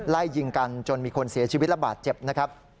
ไล่ยิงกันจนมีคนเสียชีวิตระบาดเจ็บนะครับ